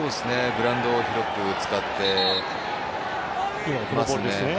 グラウンドを広く使っていますね。